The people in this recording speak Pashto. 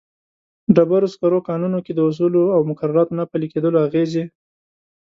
ډبرو سکرو کانونو کې د اصولو او مقرراتو نه پلي کېدلو اغېزې.